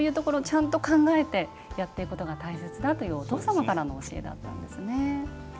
そういうところちゃんと考えてやっていくことが大切だという、お父様からの教えだったんですね。